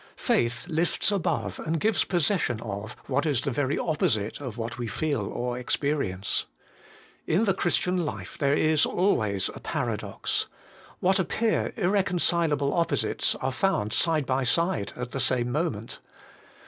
Faith lifts above, and gives possession of, what is the very opposite of what we feel or experience. In the Christian life there is always a paradox : what appear irreconcil able opposites are found side by side at the same moment.